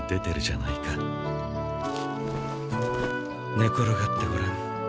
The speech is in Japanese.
寝転がってごらん。